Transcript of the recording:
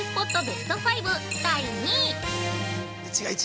ベスト５、第２位。